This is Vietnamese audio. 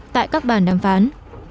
tại các bàn đàm phán